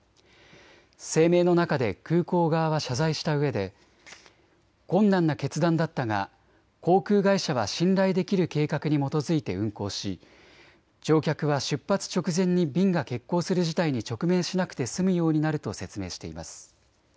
声明の中で空港側は謝罪したうえで困難な決断だったが航空会社は信頼できる計画に基づいて運航し乗客は出発直前に便が欠航する事態に直面しなくて済むようになると説明しています。